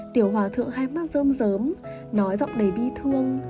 tiểu hòa thượng hai mắt rơm rớm nói giọng đầy bi thương